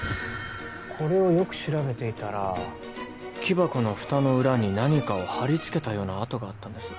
これをよく調べていたら木箱の蓋の裏に何かを貼り付けたような跡があったんです。